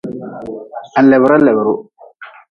Ha lebra lebruh.